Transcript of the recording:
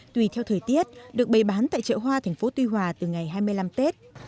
tùy theo thời tiết được bày bán tại chợ hoa tp tuy hòa từ ngày hai mươi năm tết